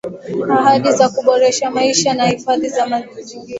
Ahadi za kuboresha maisha na hifadhi ya mazingira hazijatekelezwa